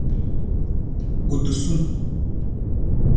Kutusung.